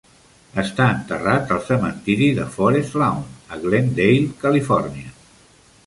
Està enterrat al cementiri de Forest Lawn a Glendale, Califòrnia.